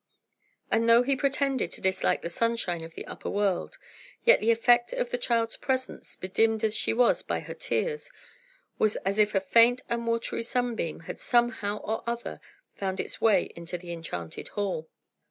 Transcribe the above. And though he pretended to dislike the sunshine of the upper world, yet the effect of the child's presence, bedimmed as she was by her tears, was as if a faint and watery sunbeam had somehow or other found its way into the enchanted hall.